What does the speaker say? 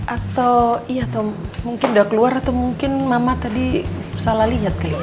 atau iya atau mungkin udah keluar atau mungkin mama tadi salah lihat kali ya